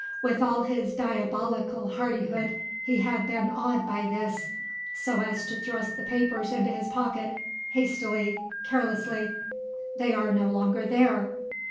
With all his diabolical hardihood, he had been awed by this so as to thrust the papers into his pocket, hastily, carelessly. They are no longer there!